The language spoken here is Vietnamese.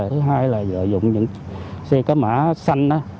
thứ hai là lợi dụng những xe cá mã xanh